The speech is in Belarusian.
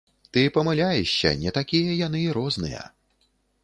Ты памыляешся, не такія яны і розныя.